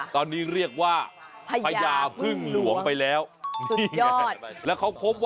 เฮ้ยให้ใหญ่ขึ้นแฮะ